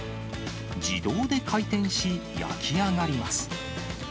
自動で回転し、焼き上がります。